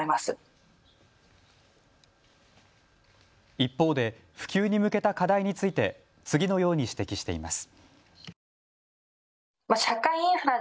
一方で普及に向けた課題について次のように指摘しています。